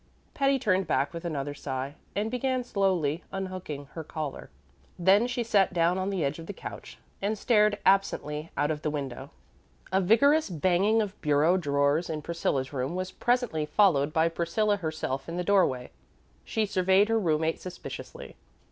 Patty turned back with another sigh, and began slowly unhooking her collar. Then she sat down on the edge of the couch and stared absently out of the window. A vigorous banging of bureau drawers in Priscilla's room was presently followed by Priscilla herself in the doorway. She surveyed her room mate suspiciously.